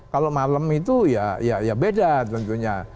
kalau malam itu ya beda tentunya